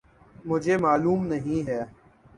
مجھے معلوم نہیں ہے۔